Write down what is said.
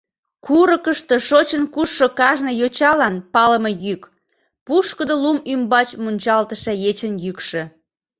Курыкышто шочын-кушшо кажне йочалан палыме йӱк, пушкыдо лум ӱмбач мунчалтыше ечын йӱкшӧ.